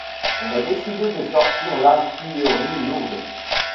On a décidé de sortir l'artillerie lourde.